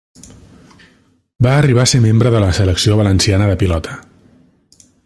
Va arribar a ser membre de la Selecció Valenciana de Pilota.